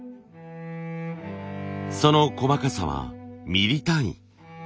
その細かさはミリ単位。